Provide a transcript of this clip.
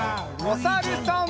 おさるさん。